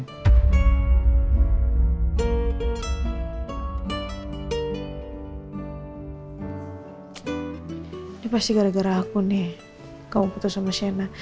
ini pasti gara gara aku nih kamu putus sama shena